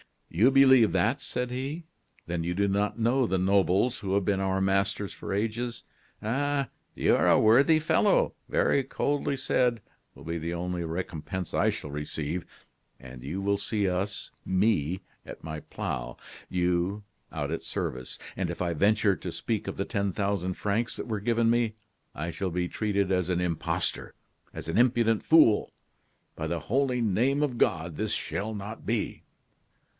"You believe that!" said he; "then you do not know the nobles who have been our masters for ages. 'A., you are a worthy fellow!' very coldly said will be the only recompense I shall receive; and you will see us, me, at my plough; you, out at service. And if I venture to speak of the ten thousand francs that were given me, I shall be treated as an impostor, as an impudent fool. By the holy name of God this shall not be!"